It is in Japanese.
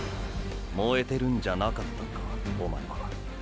燃えてるんじゃなかったのかおまえは。